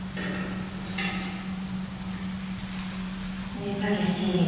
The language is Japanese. ねえ武志。